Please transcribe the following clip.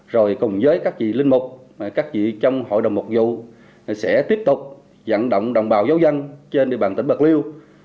rồi cùng với các vị linh mục các vị trong hội đồng phục vụ sẽ tiếp tục dẫn động đồng bào giáo dân trên địa bàn tỉnh bạc liêu